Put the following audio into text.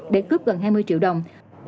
để cướp gần hai mươi triệu đồng